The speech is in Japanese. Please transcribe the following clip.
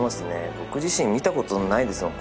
僕自身見たことないですもん